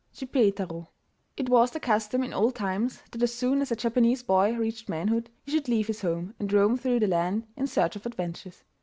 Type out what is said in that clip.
SCHIPPEITARO It was the custom in old times that as soon as a Japanese boy reached manhood he should leave his home and roam through the land in search of adventures.